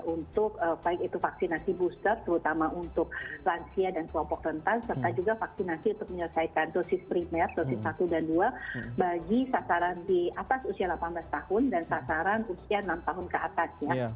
untuk baik itu vaksinasi booster terutama untuk lansia dan kelompok rentan serta juga vaksinasi untuk menyelesaikan dosis primer dosis satu dan dua bagi sasaran di atas usia delapan belas tahun dan sasaran usia enam tahun ke atas ya